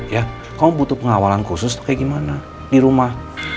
ya kamu butuh pengawalan khusus tuh kayak gimana di rumah